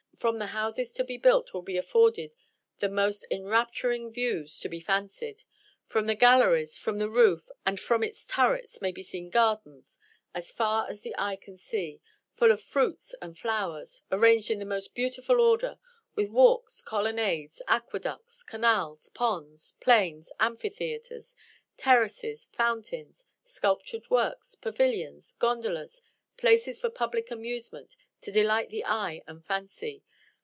From the houses to be built will be afforded the most enrapturing views to be fancied; from the galleries, from the roof, and from its turrets may be seen gardens, as far as the eye can see, full of fruits and flowers, arranged in the most beautiful order, with walks, colonnades, aqueducts, canals, ponds, plains, amphitheatres, terraces, fountains, sculptured works, pavilions, gondolas, places for public amusement, to delight the eye and fancy.